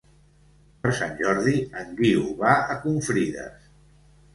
Per Sant Jordi en Guiu va a Confrides.